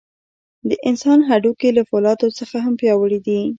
د انسان هډوکي له فولادو څخه هم پیاوړي دي.